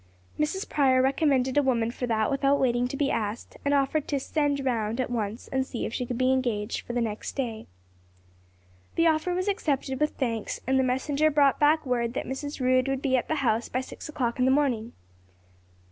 Mrs. Prior recommended a woman for that without waiting to be asked, and offered to "send round" at once and see if she could be engaged for the next day. The offer was accepted with thanks and the messenger brought back word that Mrs. Rood would be at the house by six o'clock in the morning.